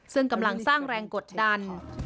ซึ่งกำลังสร้างแรงกดดัน